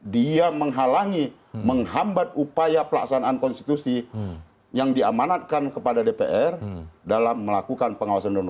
dia menghalangi menghambat upaya pelaksanaan konstitusi yang diamanatkan kepada dpr dalam melakukan pengawasan